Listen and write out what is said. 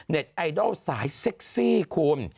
เน็ตไอดอลสายเค็ม